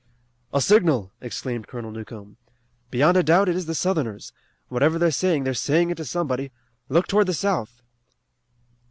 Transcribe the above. "A signal!" exclaimed Colonel Newcomb. "Beyond a doubt it is the Southerners. Whatever they're saying they're saying it to somebody. Look toward the south!"